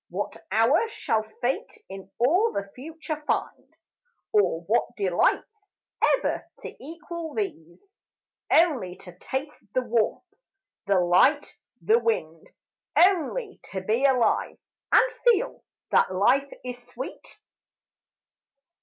What hour shall Fate in all the future find, Or what delights, ever to equal these: Only to taste the warmth, the light, the wind, Only to be alive, and feel that life is sweet?